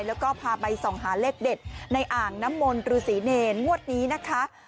แล้วก็พาไปส่องหาเลขเด็ดในอ่างน้ำมนต์ฤษีเนรงวดนี้นะคะ